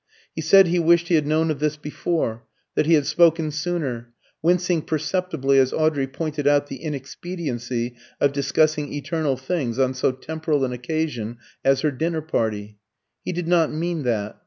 He said he wished he had known of this before, that he had spoken sooner, wincing perceptibly as Audrey pointed out the inexpediency of discussing eternal things on so temporal an occasion as her dinner party. He did not mean that.